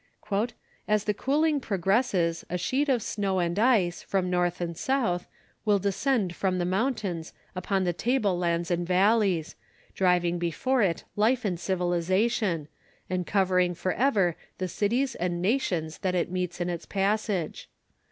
"As the cooling progresses, a sheet of snow and ice, from north and south, will descend from the mountains upon the table lands and valleys, driving before it life and civilization, and covering forever the cities and nations that it meets on its passage.